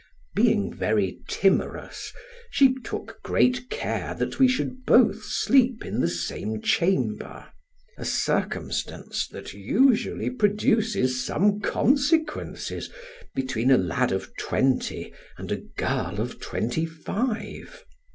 Being very timorous, she took great care that we should both sleep in the same chamber; a circumstance that usually produces some consequences between a lad of twenty and a girl of twenty five.